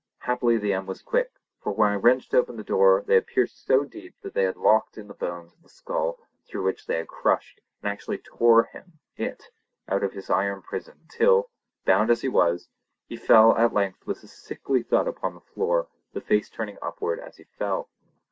Happily the end was quick, for when I wrenched open the door they had pierced so deep that they had locked in the bones of the skull through which they had crushed, and actually tore him—it—out of his iron prison till, bound as he was, he fell at full length with a sickly thud upon the floor, the face turning upward as he fell.